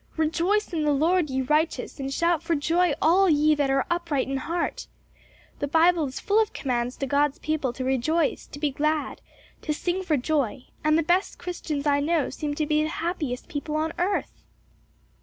'Rejoice in the Lord, ye righteous and shout for joy all ye that are upright in heart,' The Bible is full of commands to God's people to rejoice, to be glad, to sing for joy; and the best Christians I know seem to me the happiest people on earth."